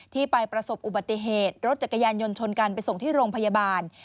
ไปประสบอุบัติเหตุรถจักรยานยนต์ชนกันไปส่งที่โรงพยาบาล